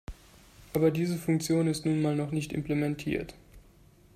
Aber diese Funktion ist nun mal noch nicht implementiert.